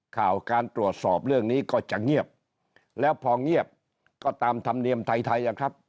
ข่าวการตรวจสอบเรื่องนี้ก็จะเงียบแล้วพอเงียบก็ตามธรรมเนียมไทยไทยนะครับ